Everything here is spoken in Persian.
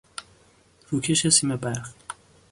روکش سیم برق